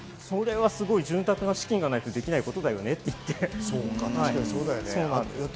すごい潤沢な資金がないとできないことだよねって言ってました。